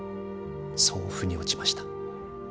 そう腑に落ちました。